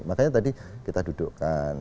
makanya tadi kita dudukkan